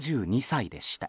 ７２歳でした。